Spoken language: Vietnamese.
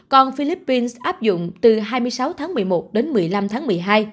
còn philippines áp dụng từ hai mươi sáu tháng một mươi một đến một mươi năm tháng một mươi hai